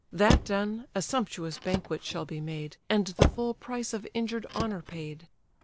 That done, a sumptuous banquet shall be made, And the full price of injured honour paid.